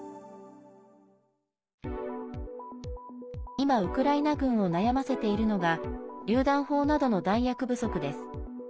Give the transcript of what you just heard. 今、ウクライナ軍を悩ませているのがりゅう弾砲などの弾薬不足です。